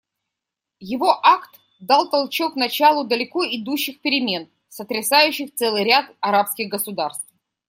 Его акт дал толчок началу далеко идущих перемен, сотрясающих целый ряд арабских государств.